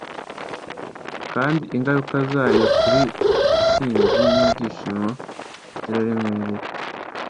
kandi ingaruka zayo ku ntsinzi n'ibyishimo ziraremereye.”